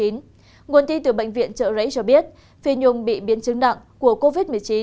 nguồn tin từ bệnh viện trợ rẫy cho biết phi nhung bị biến chứng nặng của covid một mươi chín